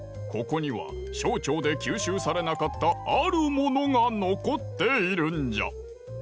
ここには小腸で吸収されなかったあるものがのこっているんじゃ。